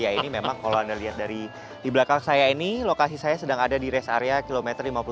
ya ini memang kalau anda lihat dari di belakang saya ini lokasi saya sedang ada di rest area kilometer lima puluh